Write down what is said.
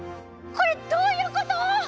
これどういうこと！？